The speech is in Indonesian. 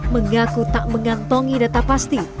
mengaku tak mengantongi dan tak pasti